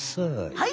はい。